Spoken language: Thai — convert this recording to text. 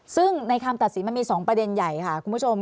ซึ่งในคำตัดสินมันมี๒ประเด็นใหญ่ค่ะคุณผู้ชม